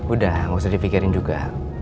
udah gak usah dipikirin juga